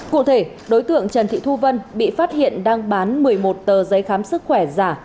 cụ thể đối tượng trần thị thu vân bị phát hiện đang bán một mươi một tờ giấy khám sức khỏe giả